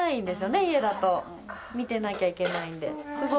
見てなきゃいけないんで。